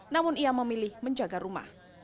namun ia memilih menjaga rumah